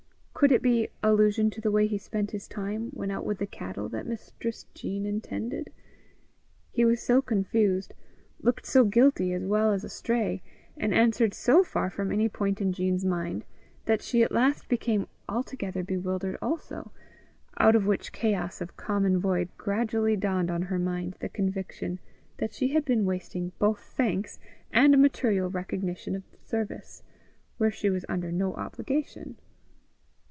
Could it be allusion to the way he spent his time when out with the cattle that Mistress Jean intended? He was so confused, looked so guilty as well as astray, and answered so far from any point in Jean's mind, that she at last became altogether bewildered also, out of which chaos of common void gradually dawned on her mind the conviction that she had been wasting both thanks and material recognition of service, where she was under no obligation.